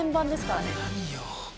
何よ。